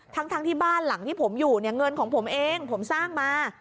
ทั้งที่บ้านหลังที่ผมอยู่เนี่ยเงินของผมเองผมสร้างมา